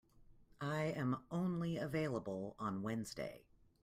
I am only available on Wednesday.